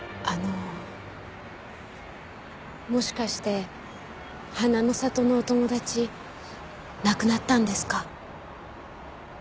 あのもしかして花の里のお友達亡くなったんですか？